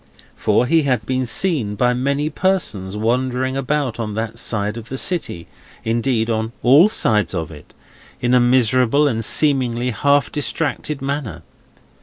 For, he had been seen by many persons, wandering about on that side of the city—indeed on all sides of it—in a miserable and seemingly half distracted manner.